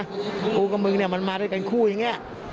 กูกับมึงเนี่ยมันมาด้วยกันคู่อย่างนี้